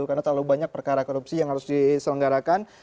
karena terlalu banyak perkara korupsi yang harus diselenggarakan